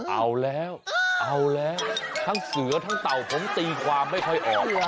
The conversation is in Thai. เอาแล้วเอาแล้วทั้งเสือทั้งเต่าผมตีความไม่ค่อยออก